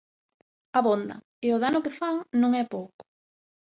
Abondan, e o dano que fan non é pouco.